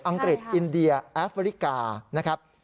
องกฤษอินเดียแอฟริกานะครับ